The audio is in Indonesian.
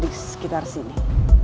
di sekitar sini